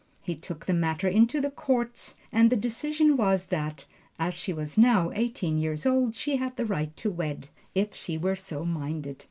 He took the matter into the courts, and the decision was that, as she was now eighteen years old, she had the right to wed, if she were so minded.